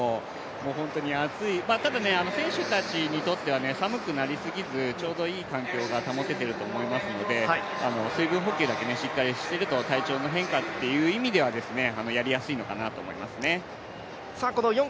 ホントに暑い、ただ選手たちにとっては寒くなりすぎず、ちょうどいい気温になりますので水分補給だけしっかりしてると、体調の変化という意味ではやりやすいのかと思いますね。